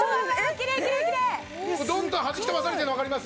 きれいきれいどんどんはじき飛ばされてるの分かります？